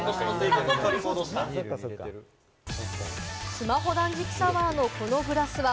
スマホ断食サワーのこのグラスは